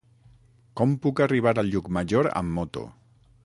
Com puc arribar a Llucmajor amb moto?